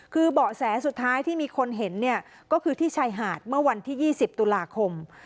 คือเบาะแสสุดท้ายที่มีคนเห็นเนี่ยก็คือที่ชายหาดเมื่อวันที่๒๐ตุลาคม